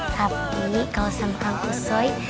tapi kalau sama kang kusoy